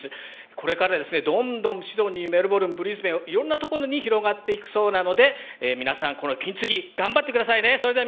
これからどんどんシドニー、メルボルン、ブリスベン、いろんなところに広がっていくそうなので皆さん、金継ぎ頑張ってくださいね。